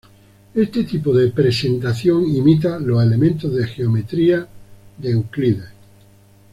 Este tipo de presentación imita los "Elementos de Geometría" de Euclides.